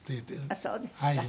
あっそうですか。